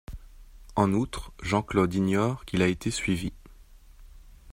En outre, Jean-Claude ignore qu'il a été suivi.